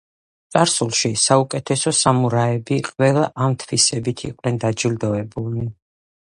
წარსულში, საუკეთესო სამურაები ყველა ამ თვისებით იყვნენ დაჯილდოებულნი.